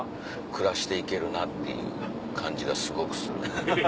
暮らしていけるなっていう感じがすごくする。